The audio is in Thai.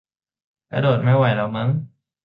กระโดดไม่ไหวแล้วมั้ง